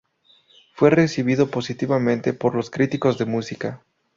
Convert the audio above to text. Fue recibido positivamente por los críticos de música.